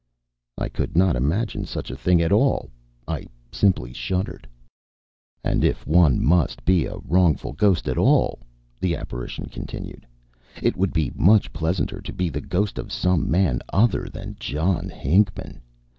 I could not imagine such a thing at all. I simply shuddered. "And if one must be a wrongful ghost at all," the apparition continued, "it would be much pleasanter to be the ghost of some man other than John Hinckman.